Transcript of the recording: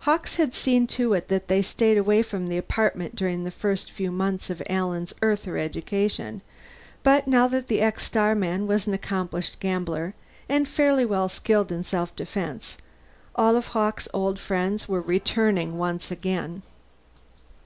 Hawkes had seen to it that they stayed away from the apartment during the first few months of Alan's Earther education; but now that the ex starman was an accomplished gambler and fairly well skilled in self defense, all of Hawkes' old friends were returning once again.